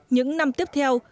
những năm tiếp theo